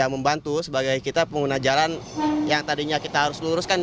membantu sebagai kita pengguna jalan yang tadinya kita harus luruskan